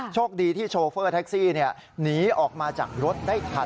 โชคดีที่โชเฟอร์แท็กซี่หนีออกมาจากรถได้ทัน